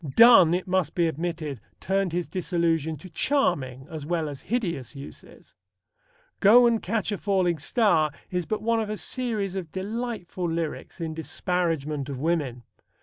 Donne, it must be admitted, turned his disillusion to charming as well as hideous uses. Go and Catch a Falling Star is but one of a series of delightful lyrics in disparagement of women.